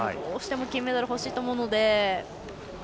どうしても金メダル欲しいと思うので。